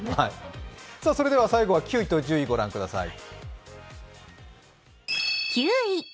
最後は９位と１０位を御覧ください。